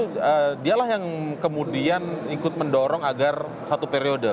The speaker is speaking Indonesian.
tapi dialah yang kemudian ikut mendorong agar satu periode